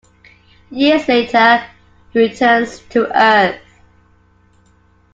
Years later, he returns to Earth.